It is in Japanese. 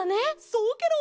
そうケロ！